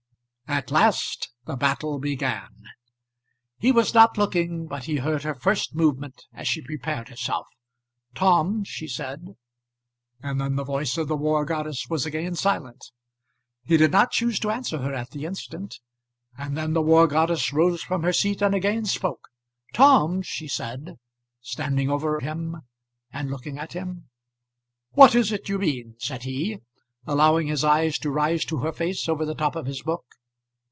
At last the battle began. He was not looking, but he heard her first movement as she prepared herself. "Tom!" she said, and then the voice of the war goddess was again silent. He did not choose to answer her at the instant, and then the war goddess rose from her seat and again spoke. "Tom!" she said, standing over him and looking at him. "What is it you mean?" said he, allowing his eyes to rise to her face over the top of his book.